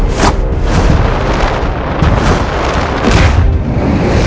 kamu harus berhenti menyerangku